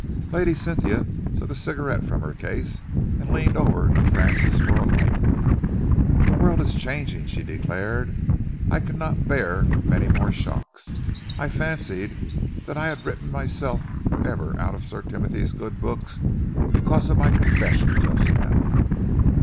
Lady Cynthia took a cigarette from her case and leaned over to Francis for a light. "The world is changing," she declared. "I cannot bear many more shocks. I fancied that I had written myself for ever out of Sir Timothy's good books because of my confession just now."